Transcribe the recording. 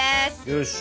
よし。